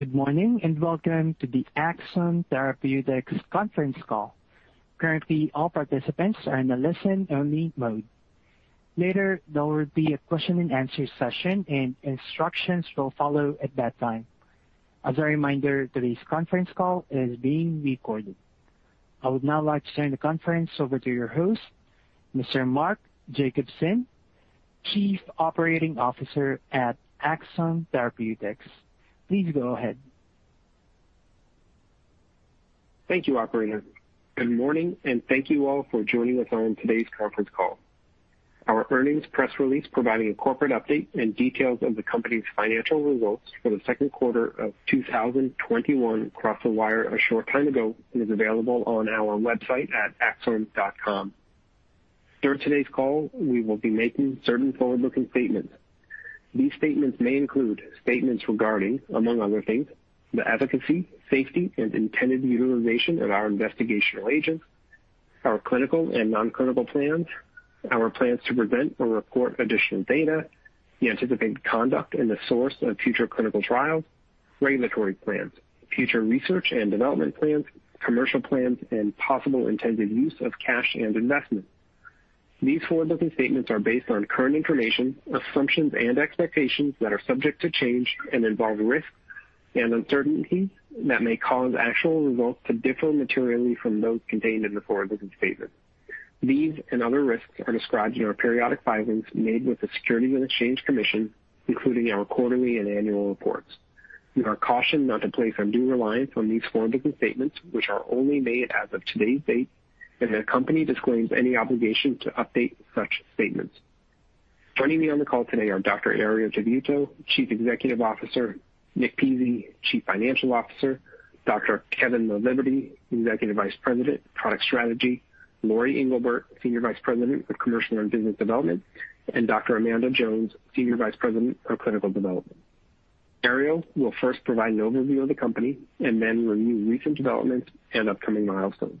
Good morning. Welcome to the Axsome Therapeutics conference call. Currently, all participants are in a listen-only mode. Later, there will be a question and answer session, and instructions will follow at that time. As a reminder, today's conference call is being recorded. I would now like to turn the conference over to your host, Mr. Mark Jacobson, Chief Operating Officer at Axsome Therapeutics. Please go ahead. Thank you, operator. Good morning, thank you all for joining us on today's conference call. Our earnings press release providing a corporate update and details of the company's financial results for the 2Q 2021 crossed the wire a short time ago and is available on our website at axsome.com. During today's call, we will be making certain forward-looking statements. These statements may include statements regarding, among other things, the efficacy, safety, and intended utilization of our investigational agents, our clinical and non-clinical plans, our plans to present or report additional data, the anticipated conduct and the source of future clinical trials, regulatory plans, future research and development plans, commercial plans, and possible intended use of cash and investments. These forward-looking statements are based on current information, assumptions, and expectations that are subject to change and involve risks and uncertainties that may cause actual results to differ materially from those contained in the forward-looking statements. These and other risks are described in our periodic filings made with the Securities and Exchange Commission, including our quarterly and annual reports. You are cautioned not to place undue reliance on these forward-looking statements, which are only made as of today's date, and the company disclaims any obligation to update such statements. Joining me on the call today are Dr. Herriot Tabuteau, Chief Executive Officer, Nick Pizzie, Chief Financial Officer, Dr. Kevin Laliberte, Executive Vice President, Product Strategy, Lori Englebert, Senior Vice President of Commercial and Business Development, and Dr. Amanda Jones, Senior Vice President of Clinical Development. Herriot will first provide an overview of the company and then review recent developments and upcoming milestones.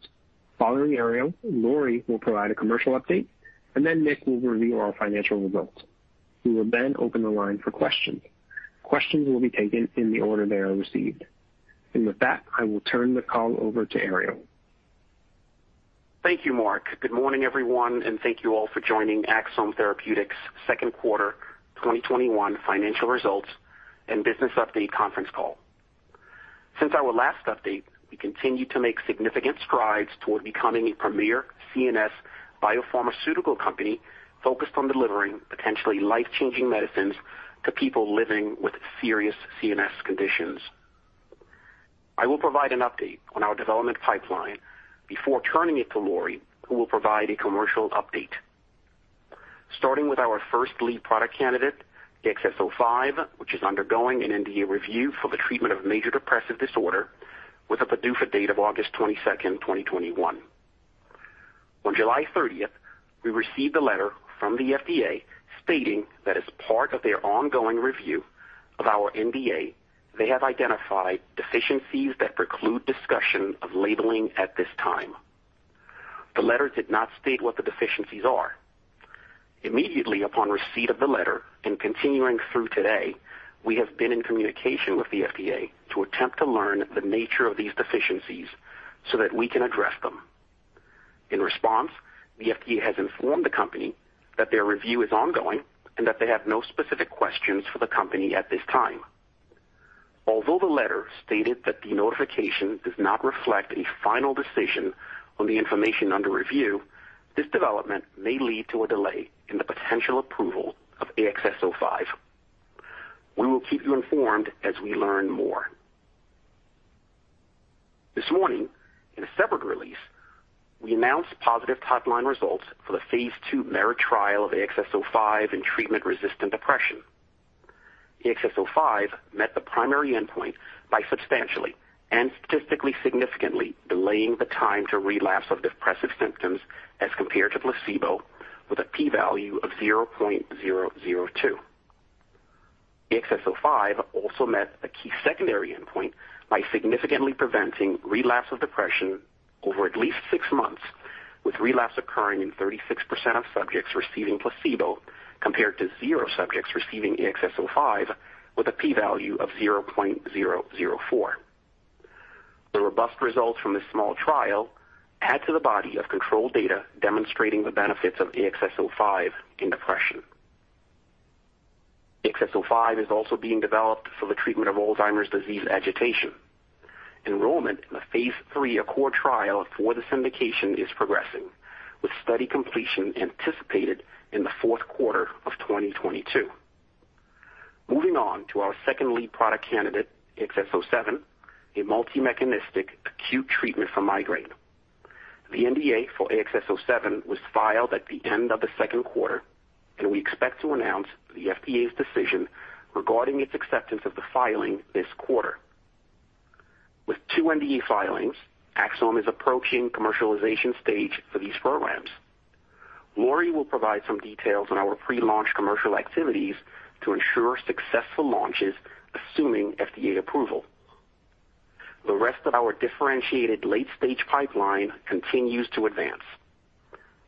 Following Herriot, Lori will provide a commercial update, and then Nick will review our financial results. We will open the line for questions. Questions will be taken in the order they are received. With that, I will turn the call over to Herriot. Thank you, Mark. Good morning, everyone, and thank you all for joining Axsome Therapeutics' Second Quarter 2021 Financial Results and Business Update Conference Call. Since our last update, we continued to make significant strides toward becoming a premier CNS biopharmaceutical company focused on delivering potentially life-changing medicines to people living with serious CNS conditions. I will provide an update on our development pipeline before turning it to Lori, who will provide a commercial update. Starting with our first lead product candidate, AXS-05, which is undergoing an NDA review for the treatment of major depressive disorder with a PDUFA date of August 22nd, 2021. On July 30th, we received a letter from the FDA stating that as part of their ongoing review of our NDA, they have identified deficiencies that preclude discussion of labeling at this time. The letter did not state what the deficiencies are. Immediately upon receipt of the letter and continuing through today, we have been in communication with the FDA to attempt to learn the nature of these deficiencies so that we can address them. In response, the FDA has informed the company that their review is ongoing and that they have no specific questions for the company at this time. Although the letter stated that the notification does not reflect a final decision on the information under review, this development may lead to a delay in the potential approval of AXS-05. We will keep you informed as we learn more. This morning, in a separate release, we announced positive top-line results for the phase II MERIT trial of AXS-05 in treatment-resistant depression. AXS-05 met the primary endpoint by substantially and statistically significantly delaying the time to relapse of depressive symptoms as compared to placebo with a P-Value of 0.002. AXS-05 also met a key secondary endpoint by significantly preventing relapse of depression over at least six months, with relapse occurring in 36% of subjects receiving placebo compared to 0 subjects receiving AXS-05 with a P-Value of 0.004. The robust results from this small trial add to the body of control data demonstrating the benefits of AXS-05 in depression. AXS-05 is also being developed for the treatment of Alzheimer's Disease agitation. Enrollment in the phase III ACCORD trial for this indication is progressing, with study completion anticipated in the fourth quarter of 2022. Moving on to our second lead product candidate, AXS-07, a multi-mechanistic acute treatment for migraine. The NDA for AXS-07 was filed at the end of the second quarter. We expect to announce the FDA's decision regarding its acceptance of the filing this quarter. With two NDA filings, Axsome is approaching commercialization stage for these programs. Lori will provide some details on our pre-launch commercial activities to ensure successful launches, assuming FDA approval. The rest of our differentiated late-stage pipeline continues to advance.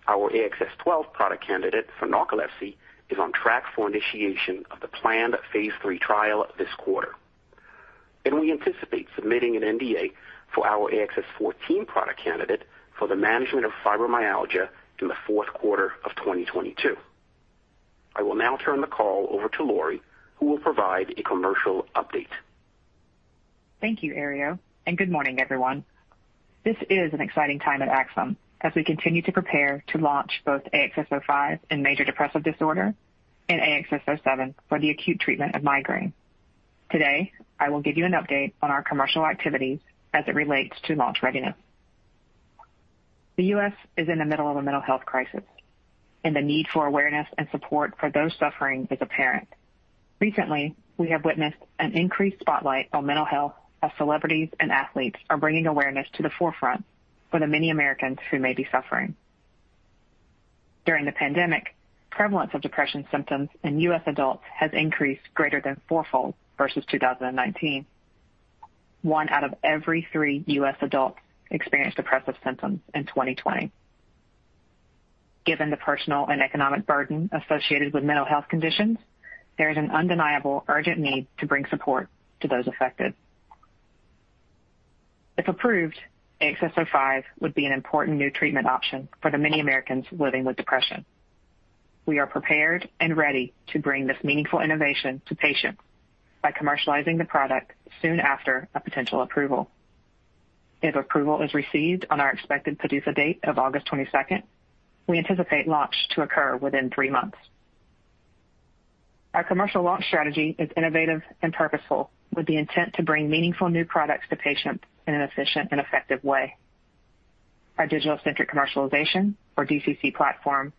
Our AXS-12 product candidate for narcolepsy is on track for initiation of the planned phase III trial this quarter. We anticipate submitting an NDA for our AXS-14 product candidate for the management of fibromyalgia in the fourth quarter of 2022. I will now turn the call over to Lori, who will provide a commercial update. Thank you, Herriot, good morning, everyone. This is an exciting time at Axsome as we continue to prepare to launch both AXS-05 in major depressive disorder and AXS-07 for the acute treatment of migraine. Today, I will give you an update on our commercial activities as it relates to launch readiness. The U.S. is in the middle of a mental health crisis, and the need for awareness and support for those suffering is apparent. Recently, we have witnessed an increased spotlight on mental health as celebrities and athletes are bringing awareness to the forefront for the many Americans who may be suffering. During the pandemic, prevalence of depression symptoms in U.S. adults has increased greater than four-fold versus 2019. One out of every three U.S. adults experienced depressive symptoms in 2020. Given the personal and economic burden associated with mental health conditions, there is an undeniable urgent need to bring support to those affected. If approved, AXS-05 would be an important new treatment option for the many Americans living with depression. We are prepared and ready to bring this meaningful innovation to patients by commercializing the product soon after a potential approval. If approval is received on our expected PDUFA date of August 22nd, we anticipate launch to occur within three months. Our commercial launch strategy is innovative and purposeful with the intent to bring meaningful new products to patients in an efficient and effective way. Our digital-centric commercialization, or DCC platform,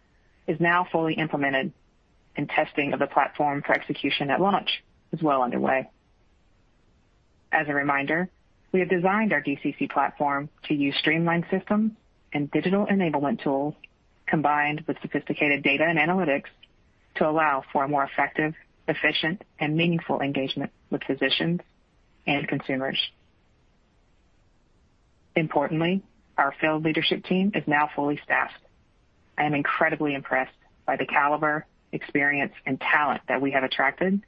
is now fully implemented, and testing of the platform for execution at launch is well underway. As a reminder, we have designed our DCC platform to use streamlined systems and digital enablement tools combined with sophisticated data and analytics to allow for a more effective, efficient, and meaningful engagement with physicians and consumers. Importantly, our field leadership team is now fully staffed. I am incredibly impressed by the caliber, experience, and talent that we have attracted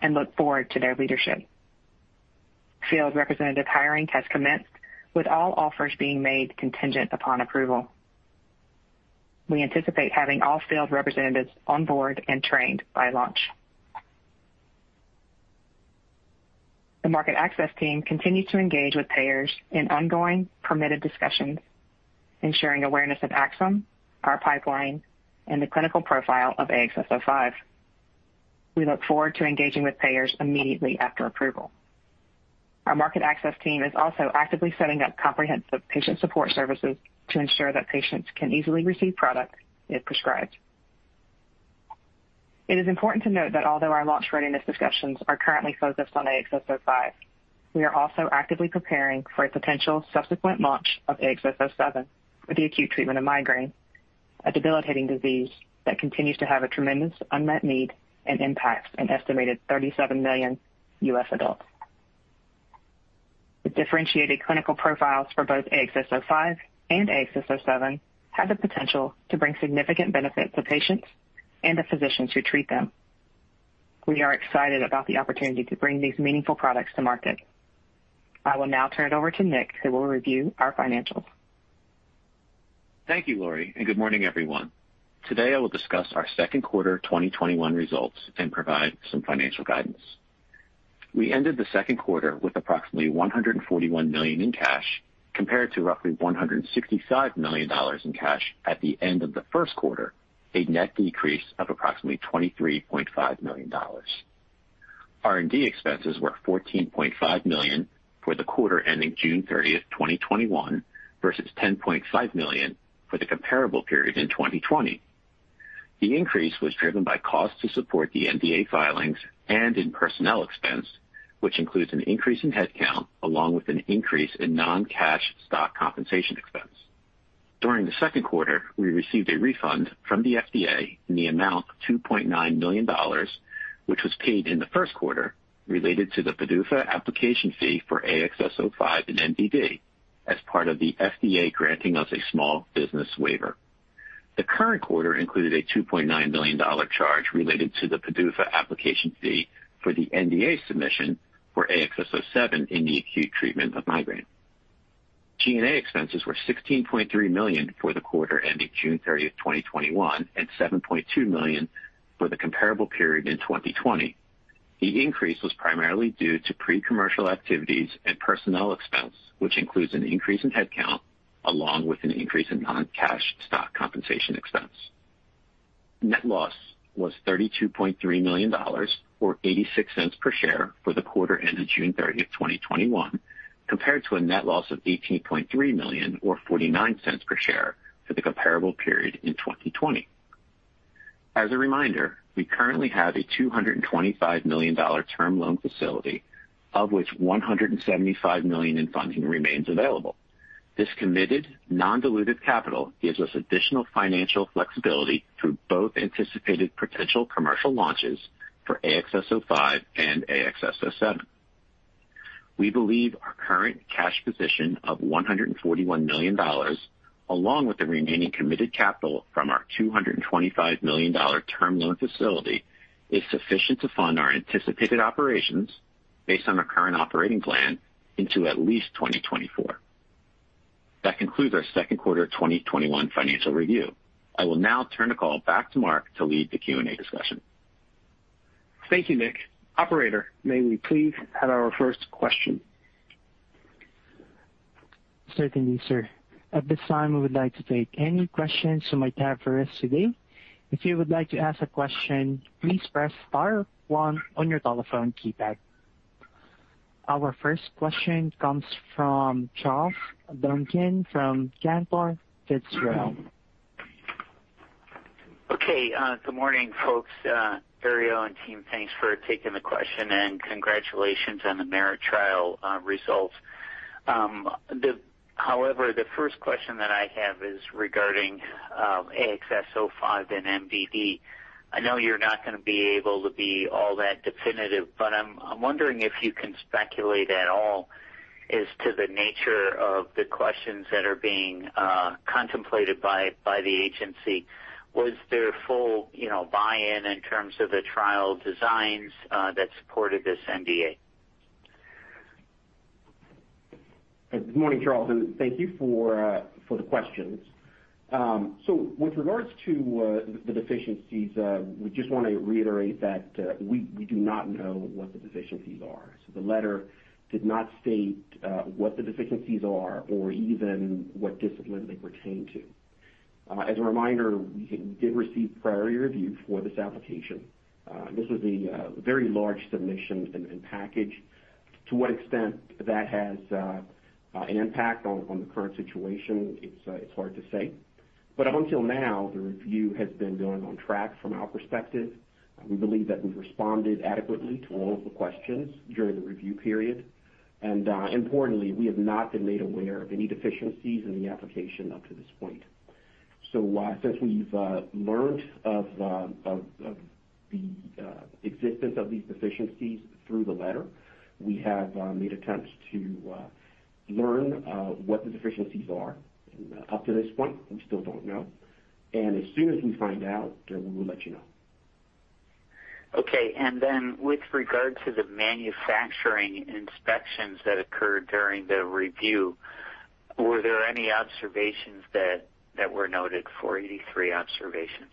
and look forward to their leadership. Field representative hiring has commenced with all offers being made contingent upon approval. We anticipate having all field representatives on board and trained by launch. The market access team continues to engage with payers in ongoing permitted discussions, ensuring awareness of Axsome, our pipeline, and the clinical profile of AXS-05. We look forward to engaging with payers immediately after approval. Our market access team is also actively setting up comprehensive patient support services to ensure that patients can easily receive product if prescribed. It is important to note that although our launch readiness discussions are currently focused on AXS-05, we are also actively preparing for a potential subsequent launch of AXS-07 for the acute treatment of migraine, a debilitating disease that continues to have a tremendous unmet need and impacts an estimated 37 million U.S. adults. The differentiated clinical profiles for both AXS-05 and AXS-07 have the potential to bring significant benefit to patients and the physicians who treat them. We are excited about the opportunity to bring these meaningful products to market. I will now turn it over to Nick, who will review our financials. Thank you, Lori, and good morning, everyone. Today, I will discuss our second quarter 2021 results and provide some financial guidance. We ended the second quarter with approximately $141 million in cash compared to roughly $165 million in cash at the end of the first quarter, a net decrease of approximately $23.5 million. R&D expenses were $14.5 million for the quarter ending June 30th, 2021, versus $10.5 million for the comparable period in 2020. The increase was driven by cost to support the NDA filings and in personnel expense, which includes an increase in headcount along with an increase in non-cash stock compensation expense. During the second quarter, we received a refund from the FDA in the amount of $2.9 million, which was paid in the first quarter related to the PDUFA application fee for AXS-05 in MDD as part of the FDA granting us a small business waiver. The current quarter included a $2.9 million charge related to the PDUFA application fee for the NDA submission for AXS-07 in the acute treatment of migraine. G&A expenses were $16.3 million for the quarter ending June 30th, 2021, and $7.2 million for the comparable period in 2020. The increase was primarily due to pre-commercial activities and personnel expense, which includes an increase in headcount along with an increase in non-cash stock compensation expense. Net loss was $32.3 million or $0.86 per share for the quarter ending June 30th, 2021, compared to a net loss of $18.3 million or $0.49 per share for the comparable period in 2020. As a reminder, we currently have a $225 million term loan facility, of which $175 million in funding remains available. This committed non-diluted capital gives us additional financial flexibility through both anticipated potential commercial launches for AXS-05 and AXS-07. We believe our current cash position of $141 million, along with the remaining committed capital from our $225 million term loan facility, is sufficient to fund our anticipated operations based on our current operating plan into at least 2024. That concludes our second quarter 2021 financial review. I will now turn the call back to Mark to lead the Q&A discussion. Thank you, Nick. Operator, may we please have our first question? Certainly, sir. At this time, we would like to take any questions from our conference today. If you would like to ask a question, please press star one on your telephone keypad. Our first question comes from Charles Duncan from Cantor Fitzgerald. Okay. Good morning, folks. Herriot and team, thanks for taking the question, and congratulations on the MERIT trial results. The first question that I have is regarding AXS-05 and MDD. I know you're not going to be able to be all that definitive, but I'm wondering if you can speculate at all as to the nature of the questions that are being contemplated by the agency. Was there full buy-in in terms of the trial designs that supported this NDA? Good morning, Charles. Thank you for the questions. With regards to the deficiencies, we just want to reiterate that we do not know what the deficiencies are. The letter did not state what the deficiencies are or even what discipline they pertain to. As a reminder, we did receive priority review for this application. This was a very large submission and package. To what extent that has an impact on the current situation, it's hard to say. Up until now, the review has been going on track from our perspective. We believe that we've responded adequately to all of the questions during the review period. Importantly, we have not been made aware of any deficiencies in the application up to this point. Since we've learned of the existence of these deficiencies through the letter, we have made attempts to learn what the deficiencies are. Up to this point, we still don't know. As soon as we find out, then we will let you know. Okay. With regard to the manufacturing inspections that occurred during the review, were there any observations that were noted, 483 observations?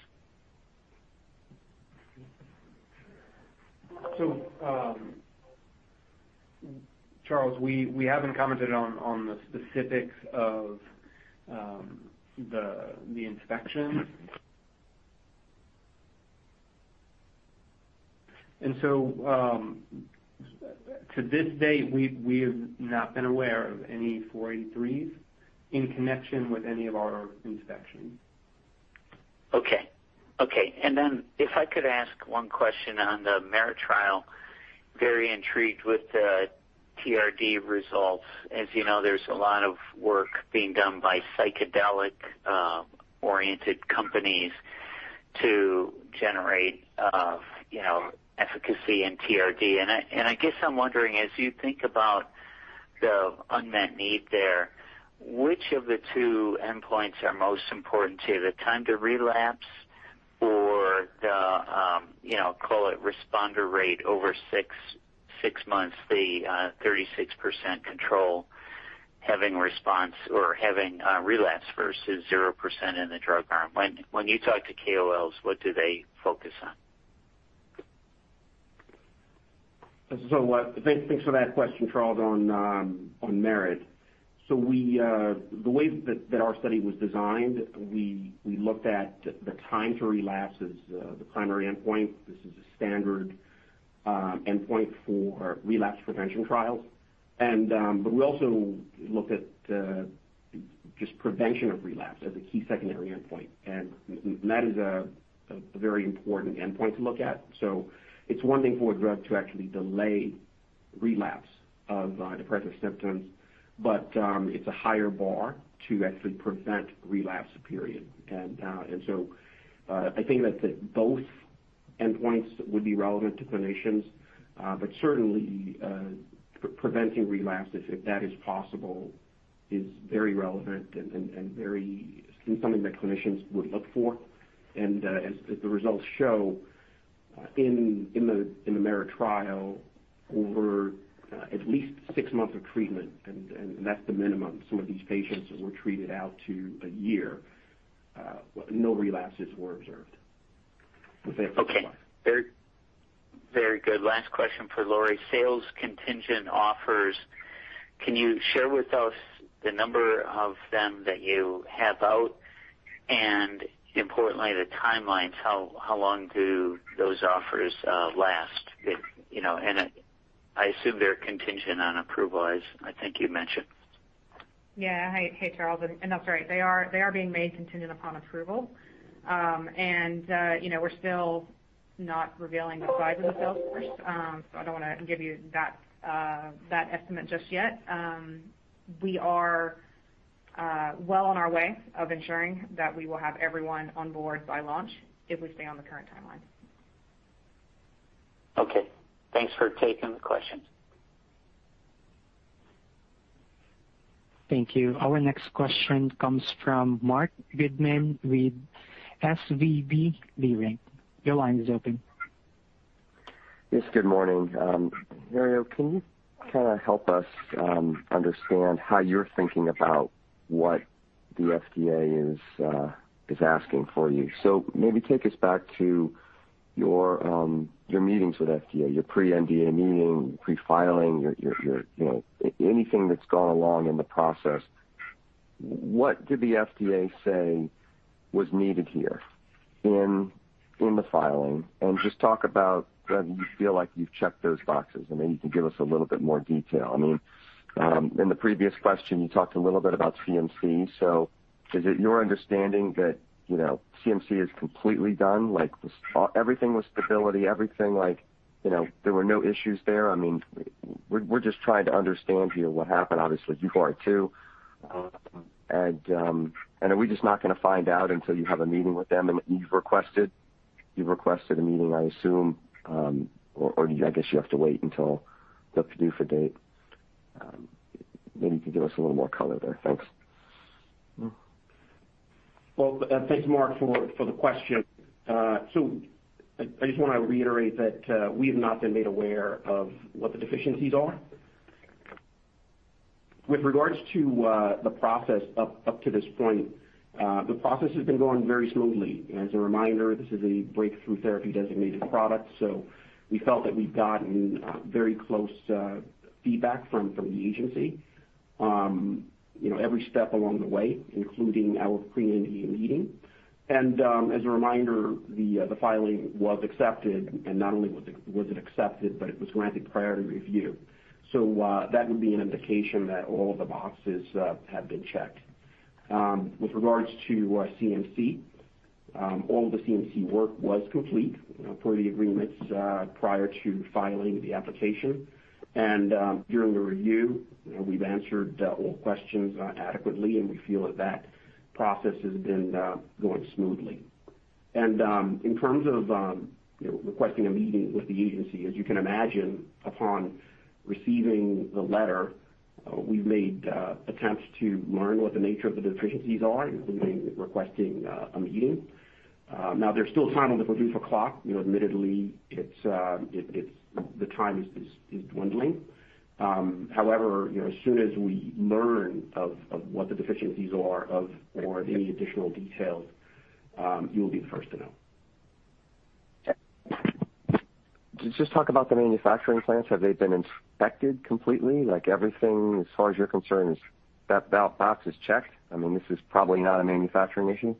Charles, we haven't commented on the specifics of the inspection. To this date, we have not been aware of any 483s in connection with any of our inspections. Okay. If I could ask one question on the MERIT trial. Very intrigued with the TRD results. As you know, there's a lot of work being done by psychedelic-oriented companies to generate efficacy in TRD. I guess I'm wondering, as you think about the unmet need there, which of the two endpoints are most important to you, the time to relapse or the, call it responder rate over six months, the 36% control having response or having a relapse versus 0% in the drug arm? When you talk to KOLs, what do they focus on? Thanks for that question, Charles, on MERIT. The way that our study was designed, we looked at the time to relapse as the primary endpoint. This is a standard endpoint for relapse prevention trials. We also looked at just prevention of relapse as a key secondary endpoint. That is a very important endpoint to look at. It's one thing for a drug to actually delay relapse of depressive symptoms, but it's a higher bar to actually prevent relapse, period. I think that both endpoints would be relevant to clinicians. Certainly, preventing relapse, if that is possible, is very relevant and something that clinicians would look for. As the results show in the MERIT trial over at least six months of treatment, and that's the minimum. Some of these patients were treated out to a year. No relapses were observed. Okay. Very good. Last question for Lori. Sales contingent offers. Can you share with us the number of them that you have out? Importantly, the timelines, how long do those offers last? I assume they're contingent on approval, as I think you mentioned. Yeah. Hey, Charles. That's right. They are being made contingent upon approval. We're still Not revealing the size of the sales force. I don't want to give you that estimate just yet. We are well on our way of ensuring that we will have everyone on board by launch if we stay on the current timeline. Okay. Thanks for taking the question. Thank you. Our next question comes from Marc Goodman with SVB Leerink. Your line is open. Yes, good morning. Herriot, can you help us understand how you're thinking about what the FDA is asking for you? Maybe take us back to your meetings with FDA, your pre-NDA meeting, pre-filing, anything that's gone along in the process. What did the FDA say was needed here in the filing? Talk about whether you feel you've checked those boxes, and then you can give us a little bit more detail. In the previous question, you talked a little bit about CMC. Is it your understanding that CMC is completely done? Everything with stability, there were no issues there. We're trying to understand here what happened. Obviously, you are, too. Are we just not going to find out until you have a meeting with them, and you've requested a meeting, I assume, or I guess you have to wait until the PDUFA date. Maybe you could give us a little more color there. Thanks. Well, thanks, Marc, for the question. I just want to reiterate that we have not been made aware of what the deficiencies are. With regards to the process up to this point, the process has been going very smoothly. As a reminder, this is a breakthrough therapy designated product. We felt that we've gotten very close feedback from the agency every step along the way, including our pre-NDA meeting. As a reminder, the filing was accepted, and not only was it accepted, but it was granted priority review. That would be an indication that all of the boxes have been checked. With regards to CMC, all the CMC work was complete per the agreements prior to filing the application. During the review, we've answered all questions adequately, and we feel that that process has been going smoothly. In terms of requesting a meeting with the agency, as you can imagine, upon receiving the letter, we've made attempts to learn what the nature of the deficiencies are, including requesting a meeting. There's still time on the PDUFA clock. Admittedly, the time is dwindling. As soon as we learn of what the deficiencies are or of any additional details, you'll be the first to know. Okay. Could you just talk about the manufacturing plants? Have they been inspected completely? Like everything, as far as you're concerned, is that box is checked? This is probably not a manufacturing issue.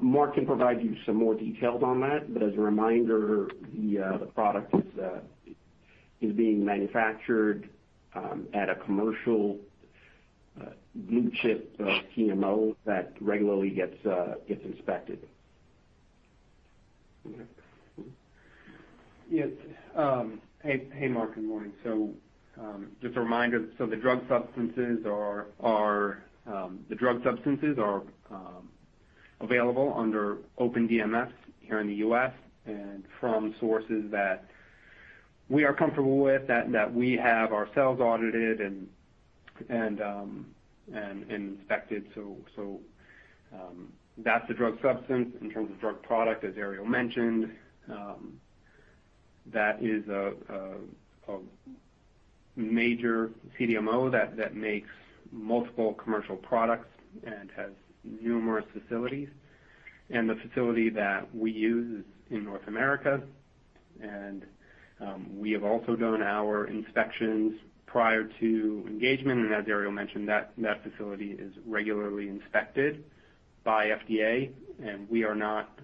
Mark can provide you some more details on that. As a reminder, the product is being manufactured at a commercial blue-chip CDMO that regularly gets inspected. Yes. Hey, Marc, good morning. Just a reminder, the drug substances are available under open DMFs here in the U.S. and from sources that we are comfortable with, that we have ourselves audited and inspected. In terms of drug product, as Herriot mentioned, that is a major CDMO that makes multiple commercial products and has numerous facilities, and the facility that we use is in North America. We have also done our inspections prior to engagement. As Herriot mentioned, that facility is regularly inspected by FDA, and we are not,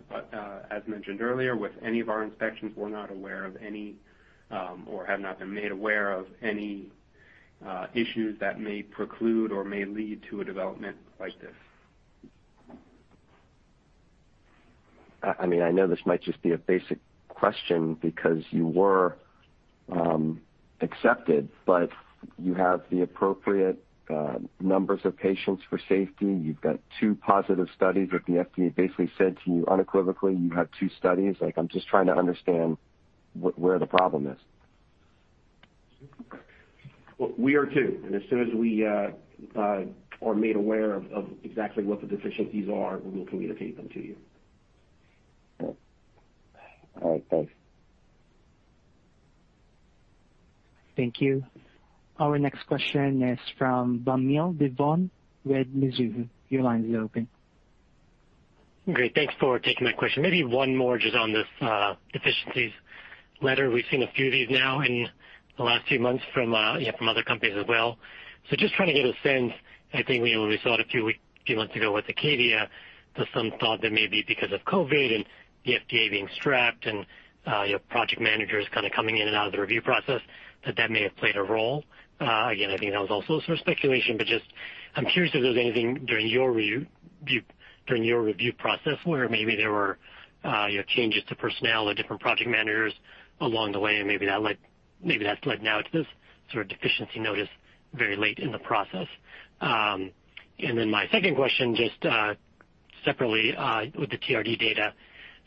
as mentioned earlier, with any of our inspections, we're not aware of any or have not been made aware of any issues that may preclude or may lead to a development like this. I know this might just be a basic question because you were accepted, but you have the appropriate numbers of patients for safety. You've got two positive studies, but the FDA basically said to you unequivocally, you have two studies. I'm just trying to understand where the problem is. Well, we are too. As soon as we are made aware of exactly what the deficiencies are, we will communicate them to you. All right, thanks. Thank you. Our next question is from Vamil Divan with Mizuho. Your line is open. Great. Thanks for taking my question. Maybe one more just on this deficiencies letter. We've seen a few of these now in the last few months from other companies as well. Just trying to get a sense. I think when we saw it a few months ago with Acadia, there's some thought that maybe because of COVID and the FDA being strapped and project managers kind of coming in and out of the review process, that that may have played a role. Again, I think that was also sort of speculation, but just I'm curious if there's anything during your review process where maybe there were changes to personnel or different project managers along the way, and maybe that's led now to this sort of deficiency notice very late in the process. My second question, just separately with the TRD data,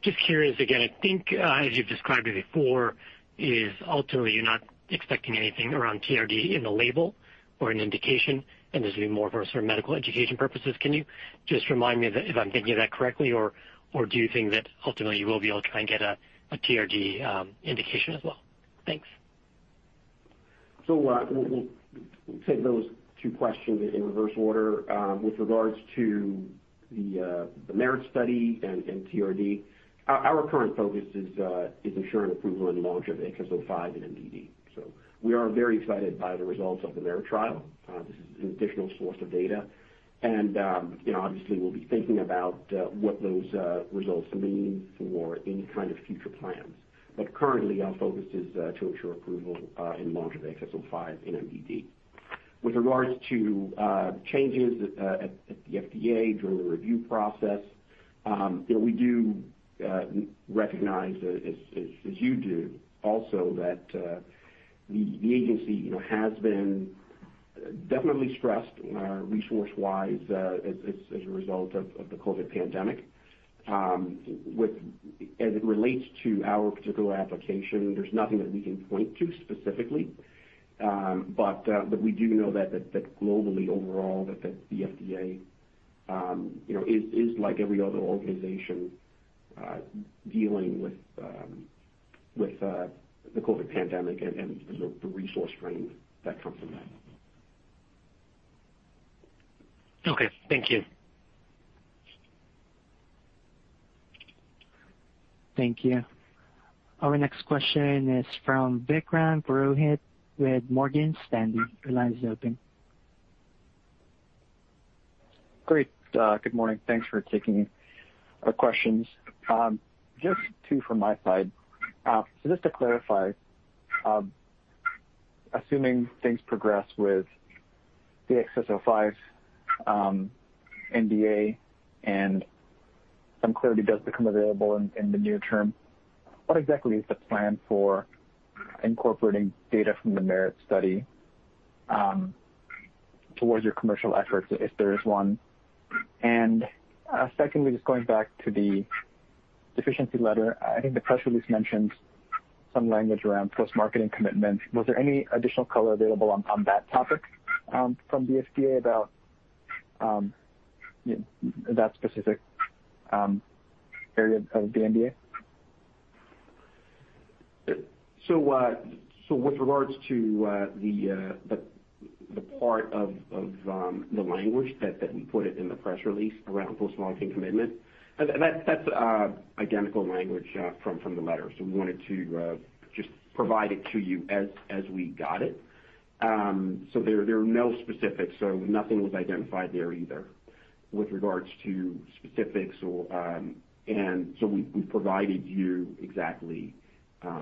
just curious again, I think as you've described it before, is ultimately you're not expecting anything around TRD in the label or an indication, and this would be more for certain medical education purposes. Can you just remind me if I'm thinking of that correctly? Do you think that ultimately you will be able to try and get a TRD indication as well? Thanks. We'll take those two questions in reverse order. With regards to the MERIT study and TRD, our current focus is ensuring approval and launch of AXS-05 in MDD. We are very excited by the results of the MERIT trial. This is an additional source of data. Obviously we'll be thinking about what those results mean for any kind of future plans. Currently our focus is to ensure approval and launch of AXS-05 in MDD. With regards to changes at the FDA during the review process, we do recognize as you do also that the agency has been definitely stressed resource-wise as a result of the COVID pandemic. As it relates to our particular application, there's nothing that we can point to specifically. We do know that globally, overall, that the FDA is like every other organization dealing with the COVID pandemic and the resource drain that comes from that. Okay. Thank you. Thank you. Our next question is from Vikram Purohit with Morgan Stanley. Your line is open. Good morning. Thanks for taking our questions. Just two from my side. Just to clarify, assuming things progress with the AXS-05 NDA and some clarity does become available in the near term, what exactly is the plan for incorporating data from the MERIT study towards your commercial efforts, if there is one? Secondly, just going back to the deficiency letter, I think the press release mentions some language around post-marketing commitment. Was there any additional color available on that topic from the FDA about that specific area of the NDA? With regards to the part of the language that we put it in the press release around post-marketing commitment, that's identical language from the letter. We wanted to just provide it to you as we got it. There are no specifics, so nothing was identified there either with regards to specifics. We provided you exactly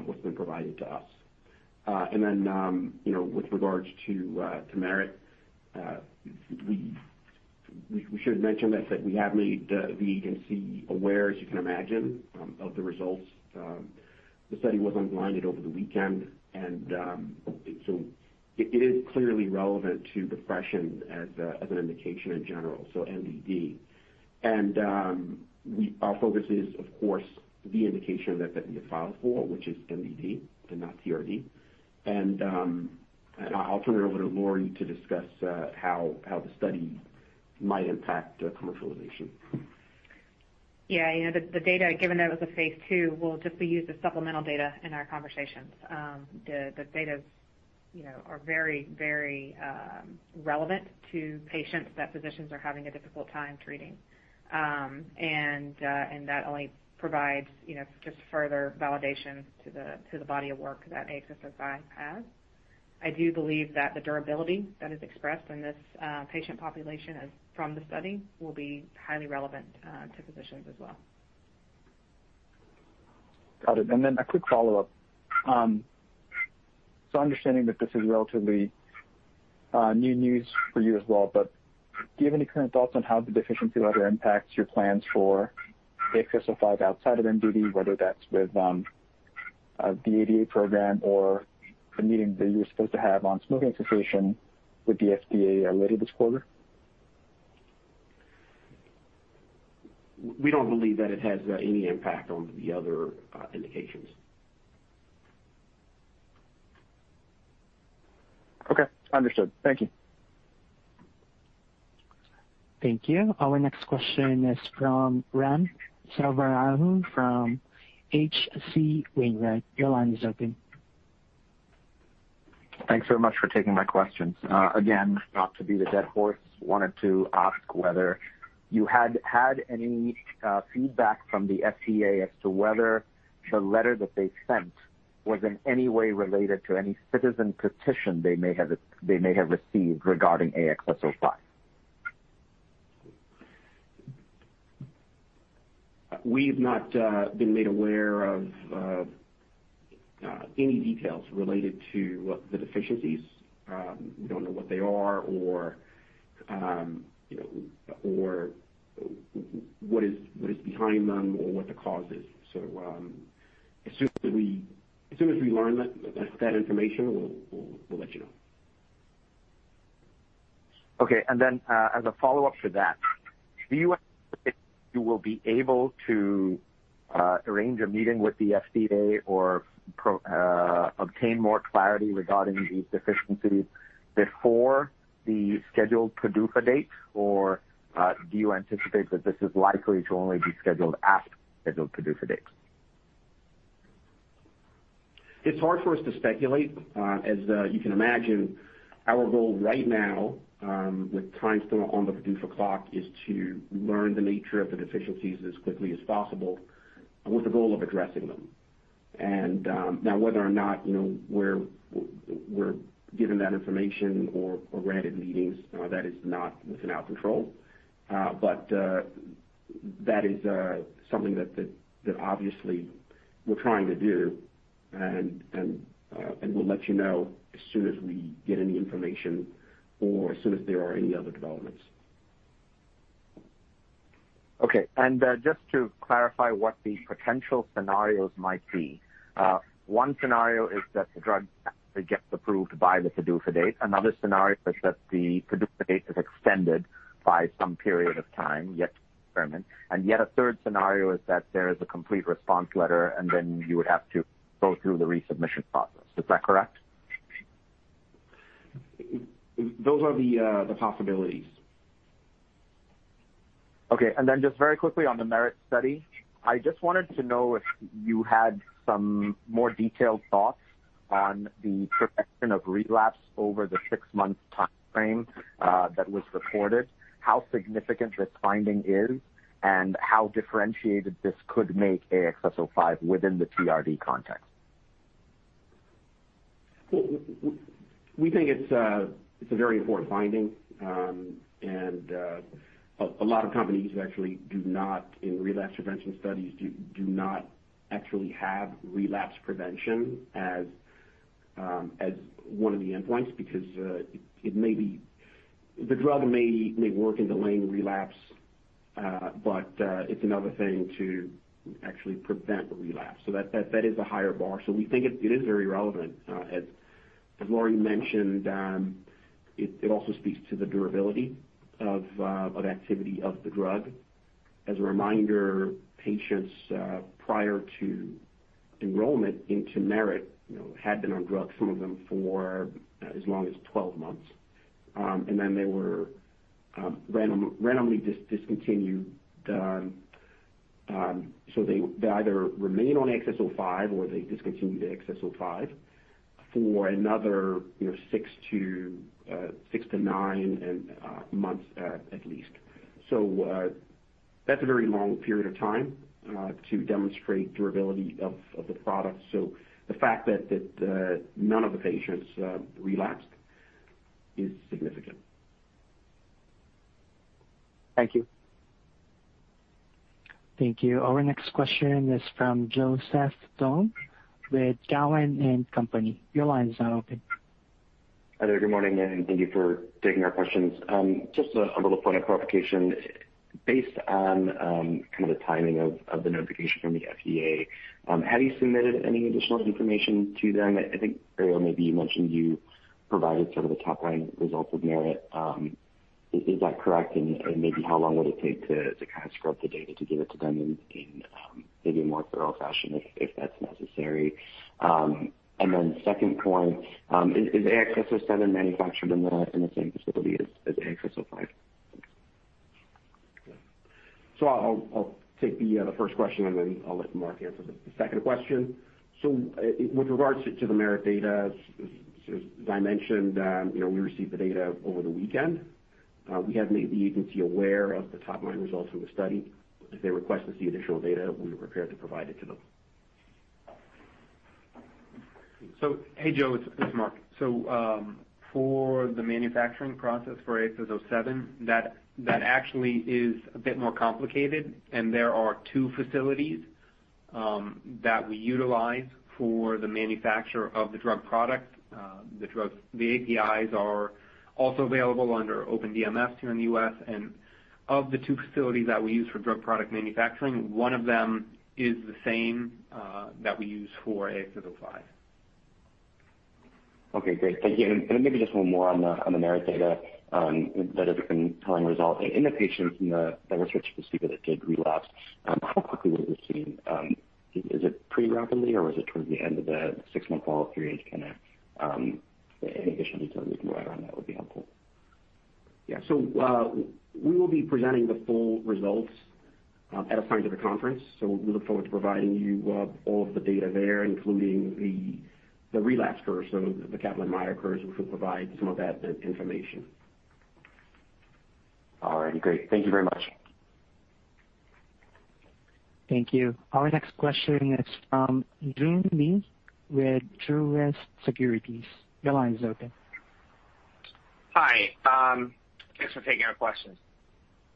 what's been provided to us. With regards to MERIT, we should mention that the agency is aware, as you can imagine, of the results. The study was unblinded over the weekend, and so it is clearly relevant to depression as an indication in general, so MDD. Our focus is, of course, the indication that we have filed for, which is MDD and not TRD. I'll turn it over to Lori to discuss how the study might impact commercialization. Yeah. The data, given that it was a phase II, will just be used as supplemental data in our conversations. The data are very relevant to patients that physicians are having a difficult time treating. That only provides just further validation to the body of work that AXS-05 has. I do believe that the durability that is expressed in this patient population from the study will be highly relevant to physicians as well. Got it. A quick follow-up. Understanding that this is relatively new news for you as well, do you have any current thoughts on how the deficiency letter impacts your plans for AXS-05 outside of MDD, whether that's with the AD agitation program or a meeting that you're supposed to have on smoking cessation with the FDA later this quarter? We don't believe that it has any impact on the other indications. Okay, understood. Thank you. Thank you. Our next question is from Ram Selvaraju from H.C. Wainwright. Your line is open. Thanks very much for taking my questions. Again, not to beat a dead horse, wanted to ask whether you had had any feedback from the FDA as to whether the letter that they sent was in any way related to any citizen petition they may have received regarding AXS-05. We've not been made aware of any details related to what the deficiencies. We don't know what they are or what is behind them or what the cause is. As soon as we learn that information, we'll let you know. Okay, as a follow-up to that, do you anticipate you will be able to arrange a meeting with the FDA or obtain more clarity regarding these deficiencies before the scheduled PDUFA date? Do you anticipate that this is likely to only be scheduled after the PDUFA date? It's hard for us to speculate. As you can imagine, our goal right now, with time still on the PDUFA clock, is to learn the nature of the deficiencies as quickly as possible and with the goal of addressing them. Now, whether or not we're given that information or granted meetings, that is within our control. That is something that obviously we're trying to do. We'll let you know as soon as we get any information or as soon as there are any other developments. Okay. Just to clarify what the potential scenarios might be. One scenario is that the drug actually gets approved by the PDUFA date. Another scenario is that the PDUFA date is extended by some period of time, yet to be determined. Yet a third scenario is that there is a complete response letter, and then you would have to go through the resubmission process. Is that correct? Those are the possibilities. Okay. Just very quickly on the MERIT study, I just wanted to know if you had some more detailed thoughts on the prevention of relapse over the six-month timeframe that was reported, how significant this finding is, and how differentiated this could make AXS-05 within the TRD context. We think it's a very important finding. A lot of companies who actually do not, in relapse prevention studies, do not actually have relapse prevention as one of the endpoints because the drug may work in delaying relapse, but it's another thing to actually prevent a relapse. That is a higher bar. We think it is very relevant. As Lori mentioned, it also speaks to the durability of activity of the drug. As a reminder, patients prior to enrollment into MERIT had been on drugs, some of them for as long as 12 months, and then they were randomly discontinued. They either remain on AXS-05 or they discontinue the AXS-05 for another six to nine months at least. That's a very long period of time to demonstrate durability of the product. The fact that none of the patients relapsed is significant. Thank you. Thank you. Our next question is from Joseph Thome with Cowen and Company. Your line is now open. Hi there. Good morning, and thank you for taking our questions. Just a little point of clarification. Based on kind of the timing of the notification from the FDA, have you submitted any additional information to them? I think earlier maybe you mentioned you provided some of the top-line results of MERIT. Is that correct? Maybe how long would it take to scrub the data to give it to them in maybe a more thorough fashion, if that's necessary? Second point, is AXS-07 manufactured in the same facility as AXS-05? I'll take the first question, and then I'll let Mark answer the second question. With regards to the MERIT data, as I mentioned, we received the data over the weekend. We have made the agency aware of the top-line results of the study. If they request to see additional data, we are prepared to provide it to them. Hey, Joe, it's Mark. For the manufacturing process for AXS-07, that actually is a bit more complicated, and there are two facilities that we utilize for the manufacture of the drug product. The APIs are also available under open DMFs here in the U.S., and of the two facilities that we use for drug product manufacturing, one of them is the same that we use for AXS-05. Okay, great. Thank you. Maybe just one more on the MERIT data, the differential result in the patients in the research population that did relapse. How quickly was this seen? Is it pretty rapidly, or is it towards the end of the six-month follow-up period? Any additional detail you can provide on that would be helpful. We will be presenting the full results at a scientific conference. We look forward to providing you all of the data there, including the relapse curve. The Kaplan-Meier curves, which will provide some of that information. All righty, great. Thank you very much. Thank you. Our next question is from Joon Lee with Truist Securities. Your line is open. Hi, thanks for taking our question.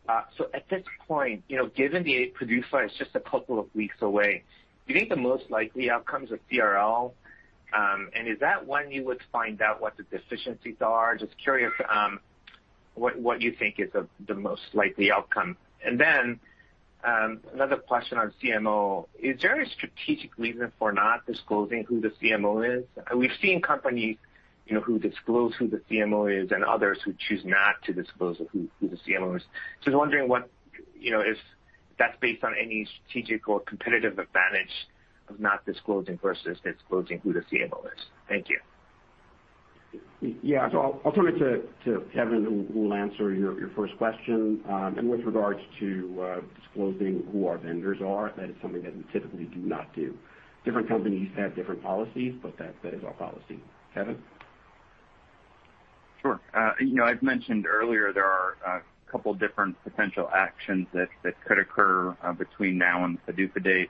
At this point, given the PDUFA is just two weeks away, do you think the most likely outcome is a CRL? Is that when you would find out what the deficiencies are? Just curious what you think is the most likely outcome. Then another question on CMO. Is there any strategic reason for not disclosing who the CMO is? We've seen companies who disclose who the CMO is and others who choose not to disclose who the CMO is. Just wondering if that's based on any strategic or competitive advantage of not disclosing versus disclosing who the CMO is. Thank you. Yeah. I'll turn it to Kevin, who will answer your first question. With regards to disclosing who our vendors are, that is something that we typically do not do. Different companies have different policies, but that is our policy. Kevin? Sure. I've mentioned earlier there are a couple different potential actions that could occur between now and the PDUFA date.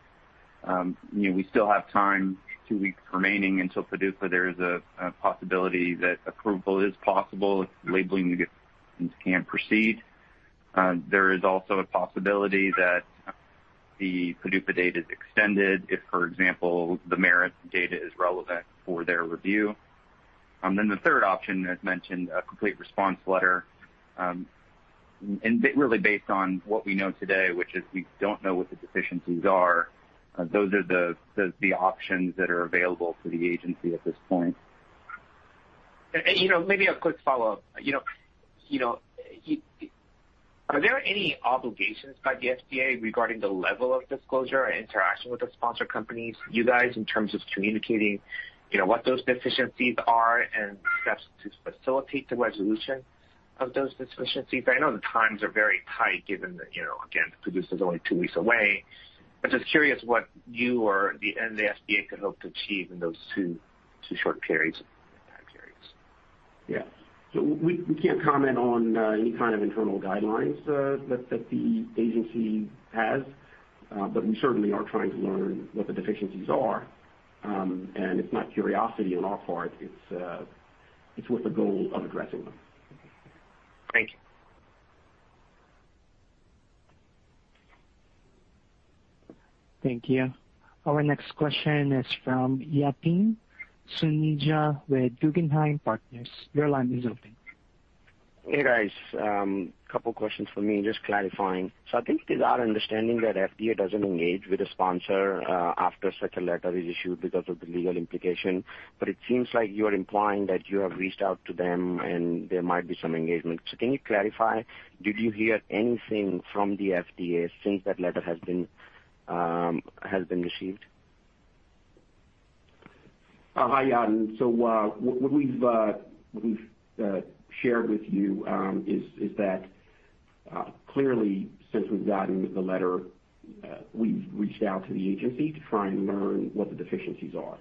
We still have time, two weeks remaining until PDUFA. There is a possibility that approval is possible if the labeling can proceed. There is also a possibility that the PDUFA date is extended if, for example, the MERIT data is relevant for their review. The third option, as mentioned, a complete response letter. Really based on what we know today, which is we don't know what the deficiencies are, those are the options that are available to the agency at this point. Maybe a quick follow-up. Are there any obligations by the FDA regarding the level of disclosure or interaction with the sponsor companies, you guys, in terms of communicating what those deficiencies are and steps to facilitate the resolution of those deficiencies? I know the times are very tight given that, again, PDUFA's only two weeks away, but just curious what you or the FDA could hope to achieve in those two short periods. Yeah. We can't comment on any kind of internal guidelines that the agency has. We certainly are trying to learn what the deficiencies are. It's not curiosity on our part. It's with the goal of addressing them. Thank you. Thank you. Our next question is from Yatin Suneja with Guggenheim Partners. Hey, guys. Couple questions for me, just clarifying. I think it is our understanding that FDA doesn't engage with a sponsor after such a letter is issued because of the legal implication. It seems like you're implying that you have reached out to them and there might be some engagement. Can you clarify, did you hear anything from the FDA since that letter has been received? Hi, Yatin. What we've shared with you is that clearly since we've gotten the letter, we've reached out to the agency to try and learn what the deficiencies are.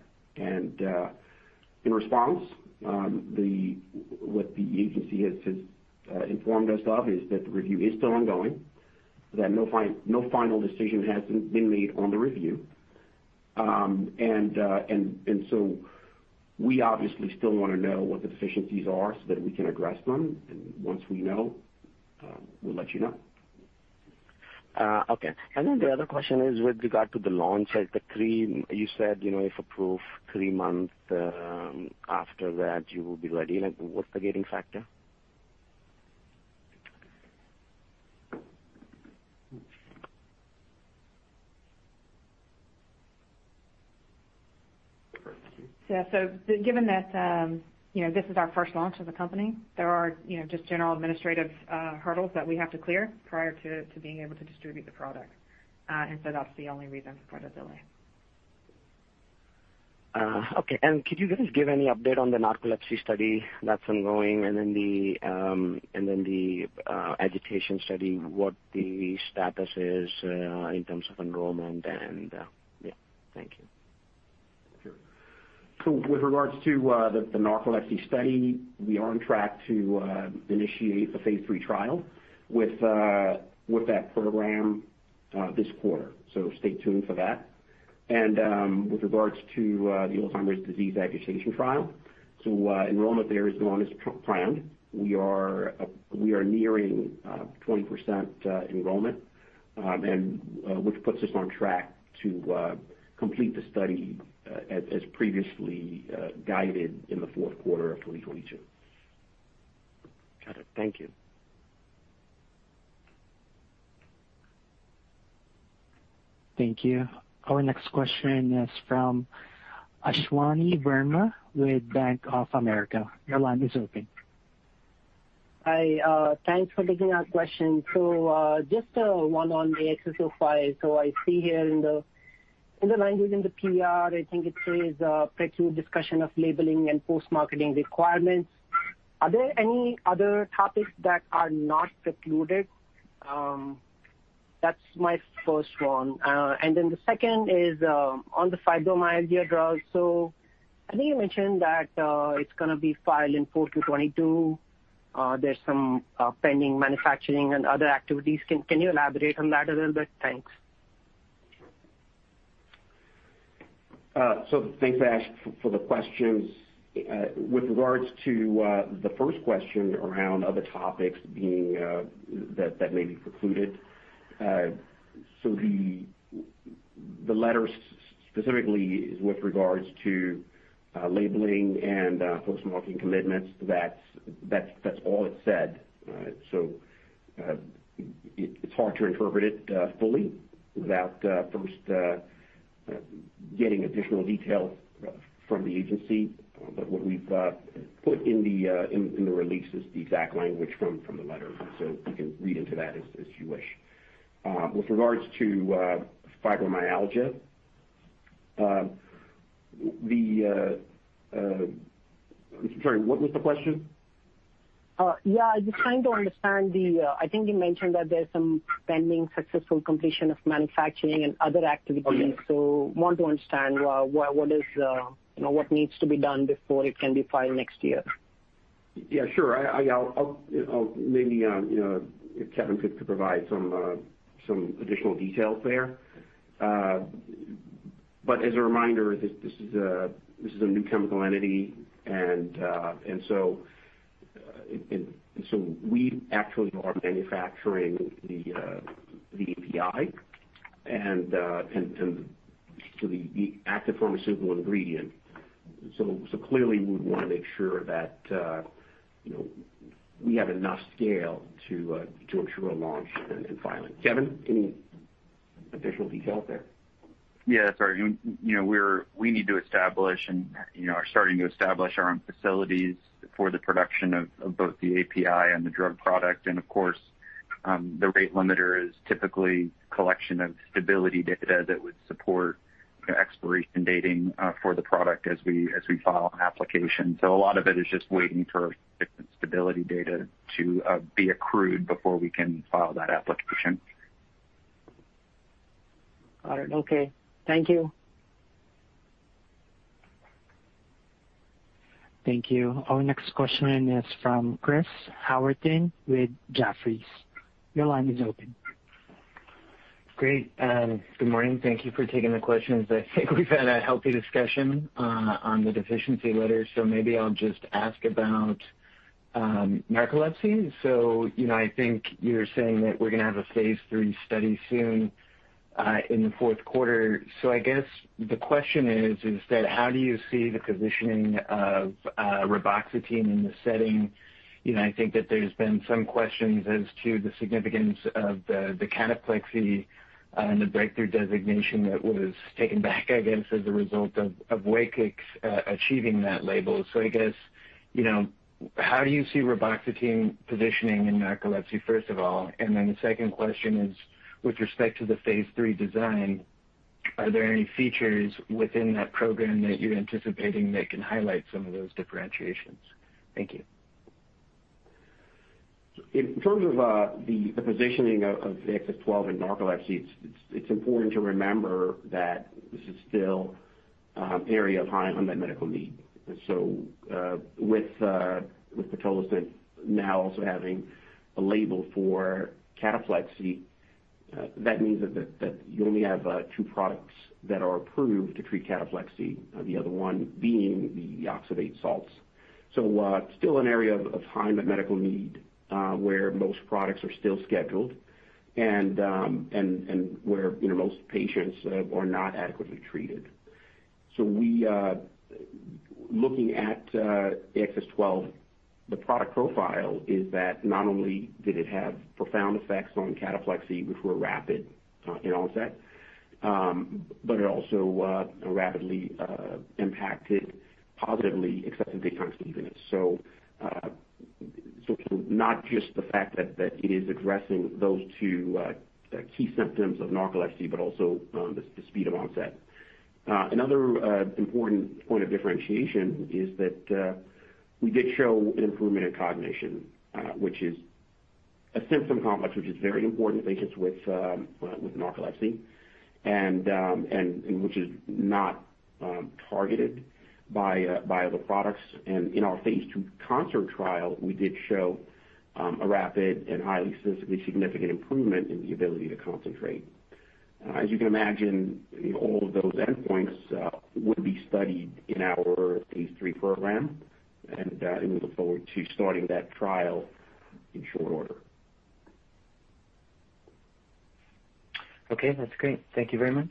In response, what the agency has informed us of is that the review is still ongoing, that no final decision has been made on the review. We obviously still want to know what the deficiencies are so that we can address them. Once we know, we'll let you know. Okay. The other question is with regard to the launch. You said if approved three months after that you will be ready. What's the gating factor? Yeah, given that this is our first launch as a company, there are just general administrative hurdles that we have to clear prior to being able to distribute the product. That's the only reason for the delay. Okay. Could you just give any update on the narcolepsy study that's ongoing, and then the agitation study, what the status is in terms of enrollment and yeah? Thank you. Sure. With regards to the narcolepsy study, we are on track to initiate a phase III trial with that program this quarter. Stay tuned for that. With regards to the Alzheimer's disease agitation trial, so enrollment there is going as planned. We are nearing 20% enrollment, which puts us on track to complete the study as previously guided in the fourth quarter of 2022. Got it. Thank you. Thank you. Our next question is from Ashwani Verma with Bank of America. Your line is open. Hi. Thanks for taking our question. Just one on the AXS-05. I see here in the language in the PR, I think it says, "Preclude discussion of labeling and post-marketing requirements." Are there any other topics that are not precluded? That's my first one. The second is on the fibromyalgia drug. I think you mentioned that it's going to be filed in fourth quarter 2022. There's some pending manufacturing and other activities. Can you elaborate on that a little bit? Thanks. Thanks, Ash, for the questions. With regards to the first question around other topics that may be precluded. The letter specifically is with regards to labeling and post-marketing commitments. That's all it said. It's hard to interpret it fully without first getting additional details from the agency. What we've put in the release is the exact language from the letter. You can read into that as you wish. With regards to fibromyalgia. I'm sorry, what was the question? Yeah, just trying to understand. I think you mentioned that there's some pending successful completion of manufacturing and other activities. I want to understand what needs to be done before it can be filed next year. Yeah, sure. Maybe if Kevin could provide some additional details there. As a reminder, this is a new chemical entity, we actually are manufacturing the API and the active pharmaceutical ingredient. Clearly, we'd want to make sure that we have enough scale to ensure a launch and filing. Kevin, any additional details there? Yeah, sorry. We need to establish and are starting to establish our own facilities for the production of both the API and the drug product. Of course, the rate limiter is typically collection of stability data that would support expiration dating for the product as we file an application. A lot of it is just waiting for stability data to be accrued before we can file that application. All right. Okay. Thank you. Thank you. Our next question is from Chris Howerton with Jefferies. Your line is open. Great. Good morning. Thank Thank you for taking the questions. I think we've had a healthy discussion on the deficiency letter. Maybe I'll just ask about narcolepsy. I think you're saying that we're going to have a phase III study soon in the fourth quarter. I guess the question is that how do you see the positioning of reboxetine in the setting? I think that there's been some questions as to the significance of the cataplexy and the breakthrough designation that was taken back, I guess, as a result of WAKIX achieving that label. I guess, how do you see reboxetine positioning in narcolepsy, first of all? The second question is with respect to the phase III design, are there any features within that program that you're anticipating that can highlight some of those differentiations? Thank you. In terms of the positioning of AXS-12 in narcolepsy, it's important to remember that this is still an area of high unmet medical need. With pitolisant now also having a label for cataplexy, that means that you only have two products that are approved to treat cataplexy, the other one being the oxybate salts. Still an area of high unmet medical need, where most products are still scheduled and where most patients are not adequately treated. Looking at AXS-12, the product profile is that not only did it have profound effects on cataplexy, which were rapid in onset, but it also rapidly impacted positively excessive daytime sleepiness. Not just the fact that it is addressing those two key symptoms of narcolepsy, but also the speed of onset. Another important point of differentiation is that we did show an improvement in cognition, which is a symptom complex which is very important, I guess, with narcolepsy, and which is not targeted by other products. In our phase II CONCERT trial, we did show a rapid and highly statistically significant improvement in the ability to concentrate. As you can imagine, all of those endpoints would be studied in our phase III program, and we look forward to starting that trial in short order. Okay, that's great. Thank you very much.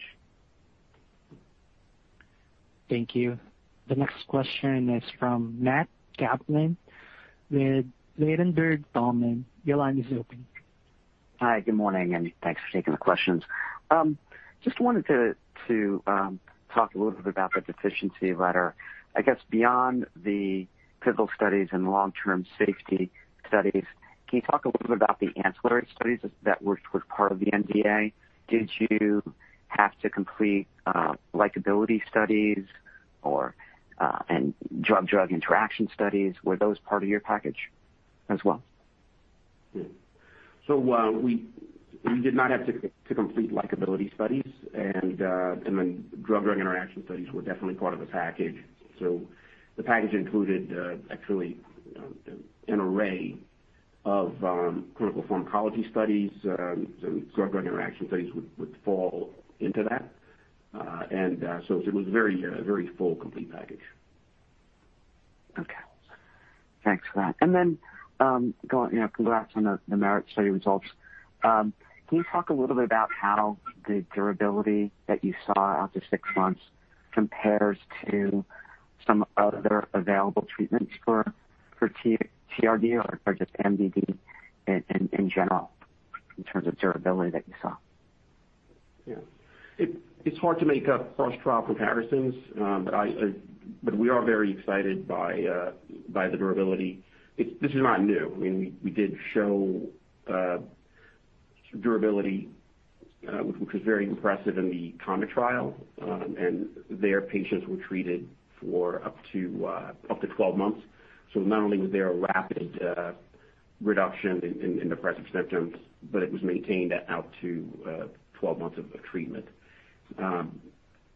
Thank you. The next question is from Matt Kaplan with Ladenburg Thalmann. Your line is open. Hi, good morning, and thanks for taking the questions. Just wanted to talk a little bit about the deficiency letter. I guess beyond the pivotal studies and long-term safety studies, can you talk a little bit about the ancillary studies that were part of the NDA? Did you have to complete likability studies or drug-drug interaction studies? Were those part of your package as well? We did not have to complete likability studies, and the drug-drug interaction studies were definitely part of the package. The package included actually an array of clinical pharmacology studies and drug interaction studies would fall into that. It was a very full, complete package. Okay. Thanks for that. Congrats on the MERIT study results. Can you talk a little bit about how the durability that you saw after six months compares to some other available treatments for TRD or just MDD in general, in terms of durability that you saw? Yeah. It's hard to make cross-trial comparisons. We are very excited by the durability. This is not new. We did show durability, which was very impressive in the COMET trial. There patients were treated for up to 12 months. Not only was there a rapid reduction in depressive symptoms, but it was maintained out to 12 months of treatment.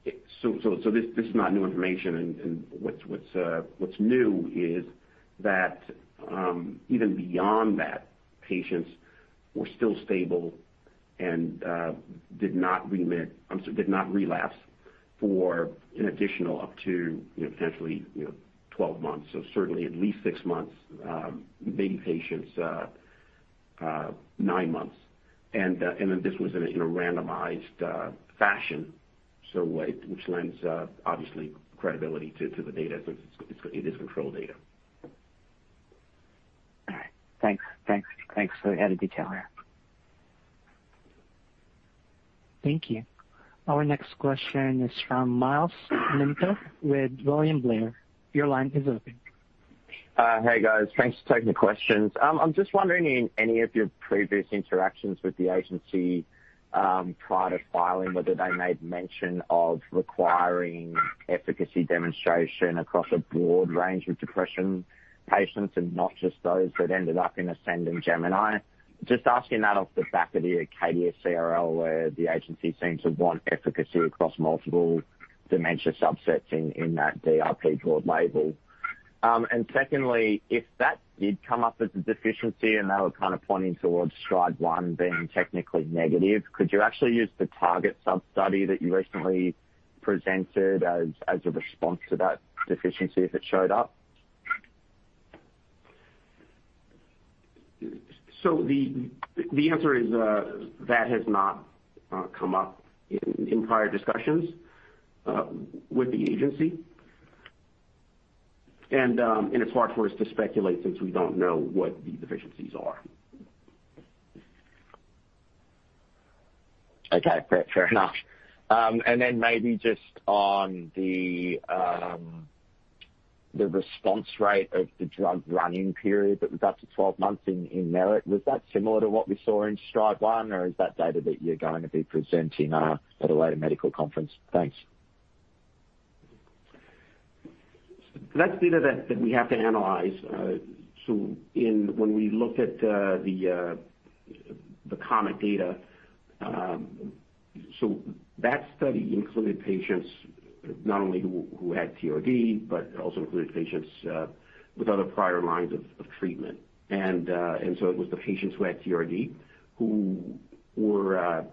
This is not new information. What's new is that even beyond that, patients were still stable and did not relapse for an additional up to potentially 12 months. Certainly at least six months, maybe patients nine months. This was in a randomized fashion, which lends obviously credibility to the data, since it is controlled data. All right. Thanks for the added detail there. Thank you. Our next question is from Myles Minter with William Blair. Your line is open. Hey, guys. Thanks for taking the questions. I'm just wondering, in any of your previous interactions with the agency prior to filing, whether they made mention of requiring efficacy demonstration across a broad range of depression patients and not just those that ended up in ASCEND and GEMINI. Just asking that off the back of the Acadia CRL, where the agency seems to want efficacy across multiple dementia subsets in that DRP broad label. Secondly, if that did come up as a deficiency and they were kind of pointing towards STRIDE-1 being technically negative, could you actually use the target sub-study that you recently presented as a response to that deficiency if it showed up? The answer is that has not come up in prior discussions with the agency. It's hard for us to speculate since we don't know what the deficiencies are. Okay. Fair enough. Then maybe just on the response rate of the drug run-in period that was up to 12 months in MERIT, was that similar to what we saw in STRIDE-1, or is that data that you're going to be presenting at a later medical conference? Thanks. That's data that we have to analyze. When we looked at the COMET data, that study included patients not only who had TRD, but it also included patients with other prior lines of treatment. It was the patients who had TRD and who were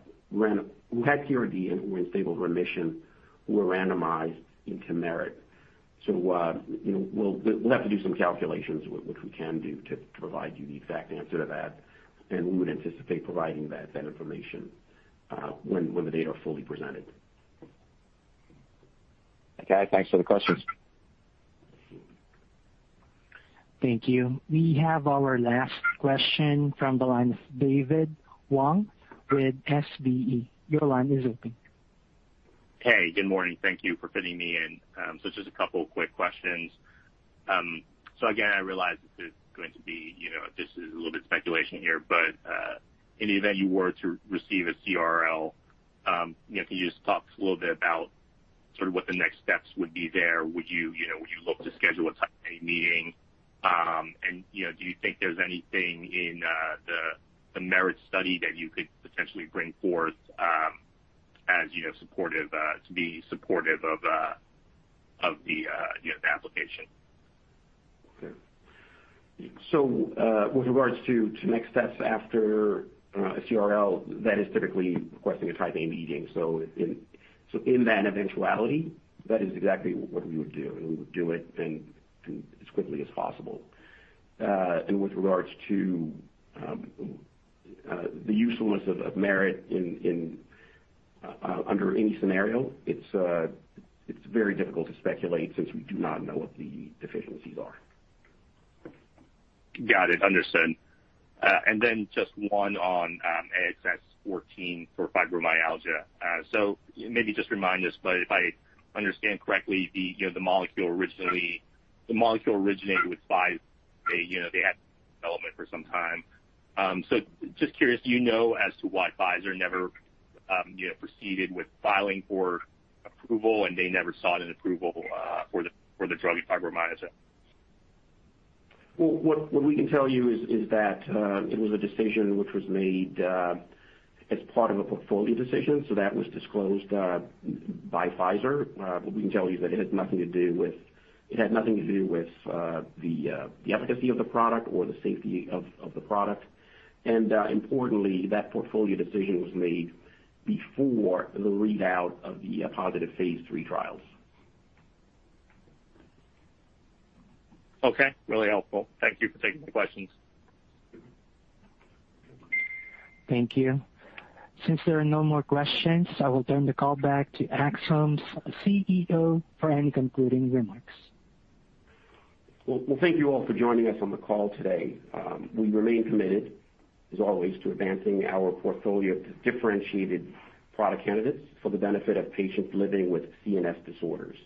in stable remission, who were randomized into MERIT. We'll have to do some calculations, which we can do to provide you the exact answer to that, and we would anticipate providing that information when the data are fully presented. Okay. Thanks for the questions. Thank you. We have our last question from the line of David Wong with SBE. Your line is open. Hey, good morning. Thank you for fitting me in. Just a couple quick questions. Again, I realize this is a little bit speculation here, but in the event you were to receive a CRL, can you just talk a little bit about sort of what the next steps would be there? Would you look to schedule a Type A meeting? Do you think there's anything in the MERIT study that you could potentially bring forth to be supportive of the application? With regards to next steps after a CRL, that is typically requesting a Type A meeting. In that eventuality, that is exactly what we would do, and we would do it as quickly as possible. With regards to the usefulness of MERIT under any scenario, it's very difficult to speculate since we do not know what the deficiencies are. Got it. Understood. Then just one on AXS-14 for fibromyalgia. Maybe just remind us, but if I understand correctly, the molecule originated with Pfizer. They had development for some time. Just curious, do you know as to why Pfizer never proceeded with filing for approval, and they never sought an approval for the drug in fibromyalgia? What we can tell you is that it was a decision which was made as part of a portfolio decision. That was disclosed by Pfizer. What we can tell you is that it had nothing to do with the efficacy of the product or the safety of the product. Importantly, that portfolio decision was made before the readout of the positive phase III trials. Okay. Really helpful. Thank you for taking the questions. Thank you. Since there are no more questions, I will turn the call back to Axsome's CEO for any concluding remarks. Well, thank you all for joining us on the call today. We remain committed, as always, to advancing our portfolio of differentiated product candidates for the benefit of patients living with CNS disorders.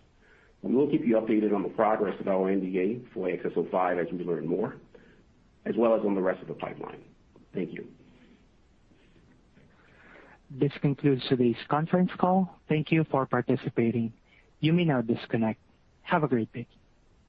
We'll keep you updated on the progress of our NDA for AXS-05 as we learn more, as well as on the rest of the pipeline. Thank you. This concludes today's conference call. Thank you for participating. You may now disconnect. Have a great day.